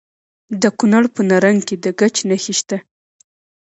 د کونړ په نرنګ کې د ګچ نښې شته.